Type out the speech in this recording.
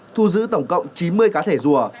thu giữ tổng cộng chín mươi cá thể rùa